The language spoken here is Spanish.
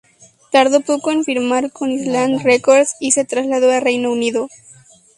Tardó poco en firmar con Island Records y se trasladó a Reino Unido.